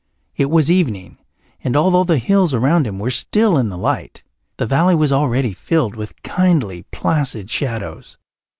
It was evening, and although the hills around him were still in the light the valley was already filled with kindly, placid shadows.